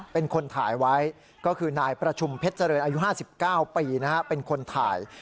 เป็นคนถ่ายไว้ก็คือนายประชุมเพชรเจริญอายุ๕๙ปีเป็นคนถ่าย